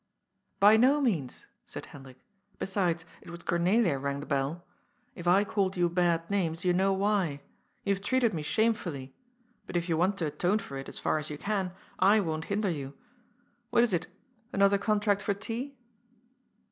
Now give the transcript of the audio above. " By no means," said Hendrik. " Besides, it was Cornelia rang the bell. If I called you bad names, you know why. You have treated me shamefully. But if you want to atone for it, as far as you can, I won't hinder you. What is it ? Another contract for tea